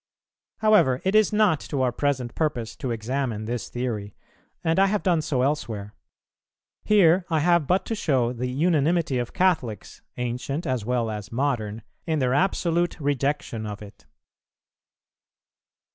However, it is not to our present purpose to examine this theory, and I have done so elsewhere.[328:1] Here I have but to show the unanimity of Catholics, ancient as well as modern, in their absolute rejection of it.